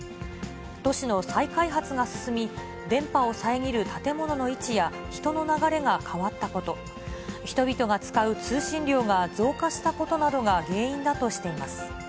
都市の再開発が進み、電波を遮る建物の位置や人の流れが変わったこと、人々が使う通信量が増加したことなどが原因だとしています。